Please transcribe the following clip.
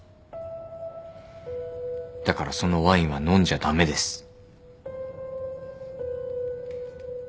だからそのワインは飲んじゃ駄目です。